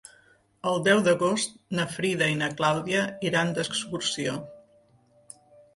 El deu d'agost na Frida i na Clàudia iran d'excursió.